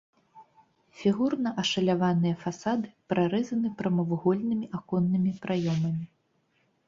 Фігурна ашаляваныя фасады прарэзаны прамавугольнымі аконнымі праёмамі.